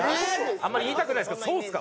あんまり言いたくないんですけどそうですか？